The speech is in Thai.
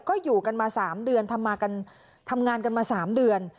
ก็อยู่กันมา๓เดือนทำงานกันมา๓เดือน